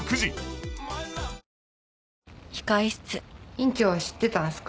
院長は知ってたんすか？